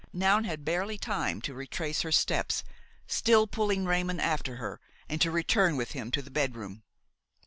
Noun had barely time to retrace her steps, still pulling Raymon after her, and to return with him to the bedroom.